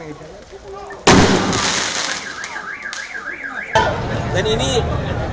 agar diantar kembali mohon bantu